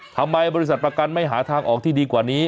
บริษัทประกันไม่หาทางออกที่ดีกว่านี้